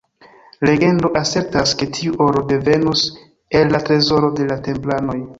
Legendo asertas, ke tiu oro devenus el la trezoro de la Templanoj.